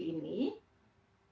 nah dalam situasi seperti ini